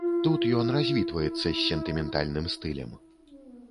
Тут ён развітваецца з сентыментальным стылем.